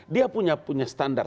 dia punya standar